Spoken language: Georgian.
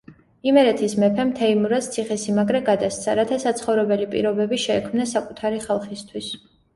იმერეთის მეფემ თეიმურაზს ციხე-სიმაგრე გადასცა, რათა საცხოვრებელი პირობები შეექმნა საკუთარი ხალხისთვის.